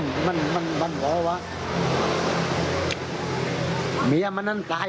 คือดูพี่ดีล้าอ้าง